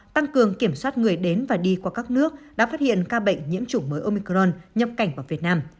tăng cường kiểm soát người đến và đi qua các nước đã phát hiện ca bệnh nhiễm chủng mới omicron nhập cảnh vào việt nam